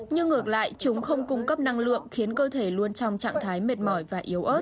nhưng ngược lại chúng không cung cấp năng lượng khiến cơ thể luôn trong trạng thái mệt mỏi và yếu ớt